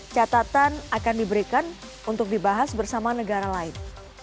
catatan akan diberikan untuk dibahas bersama negara lain